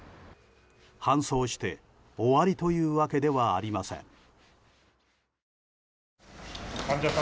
搬送して終わりというわけではありません。